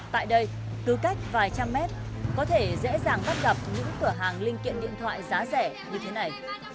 tại đây cứ cách vài trăm mét có thể dễ dàng bắt gặp những cửa hàng linh kiện điện thoại giá rẻ như thế này